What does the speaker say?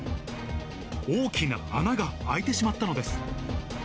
大きな穴が開いてしまったのです。